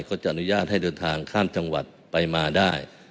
ก็จะอนุญาตให้เดินทางข้ามจังหวัดไปมาได้